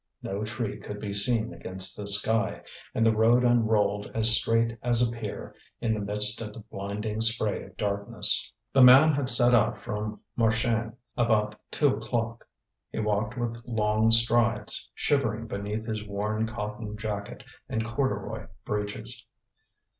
No tree could be seen against the sky, and the road unrolled as straight as a pier in the midst of the blinding spray of darkness. The man had set out from Marchiennes about two o'clock. He walked with long strides, shivering beneath his worn cotton jacket and corduroy breeches.